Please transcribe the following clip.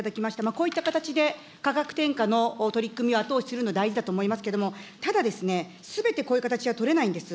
こういった形で、価格転嫁の取り組みを後押しするのは大事だと思いますけれども、ただ、すべてこういう形は取れないんです。